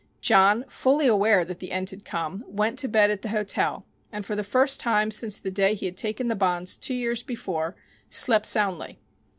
John, fully aware that the end had come, went to bed at the hotel, and, for the first time since the day he had taken the bonds two years before, slept soundly.